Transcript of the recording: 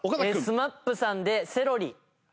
ＳＭＡＰさんで『セロリ』。